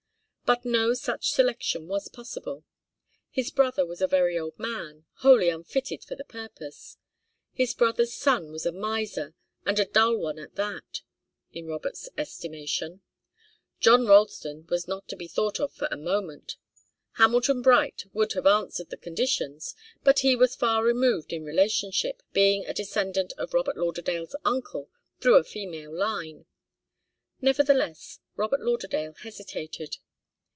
But no such selection was possible. His brother was a very old man, wholly unfitted for the purpose. His brother's son was a miser, and a dull one at that, in Robert's estimation. John Ralston was not to be thought of for a moment. Hamilton Bright would have answered the conditions, but he was far removed in relationship, being a descendant of Robert Lauderdale's uncle through a female line. Nevertheless, Robert Lauderdale hesitated.